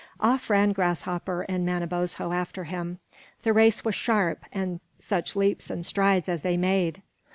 Off ran Grasshopper and Manabozho after him. The race was sharp; and such leaps and strides as they made!